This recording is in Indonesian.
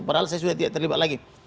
padahal saya sudah tidak terlibat lagi